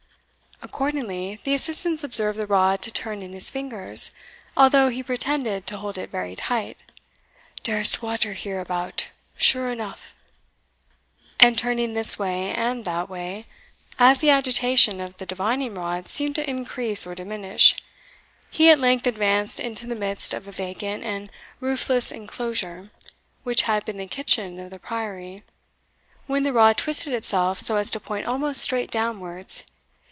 Accordingly, the assistants observed the rod to turn in his fingers, although he pretended to hold it very tight. "Dere is water here about, sure enough," and, turning this way and that way, as the agitation of the divining rod seemed to increase or diminish, he at length advanced into the midst of a vacant and roofless enclosure which had been the kitchen of the priory, when the rod twisted itself so as to point almost straight downwards.